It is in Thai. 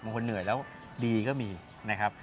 คนเหนื่อยแล้วดีก็มีนะครับ